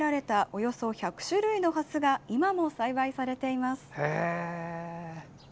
およそ１００種類のハスが今も栽培されています。